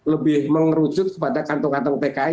lebih mengerujuk kepada kantong kantong tki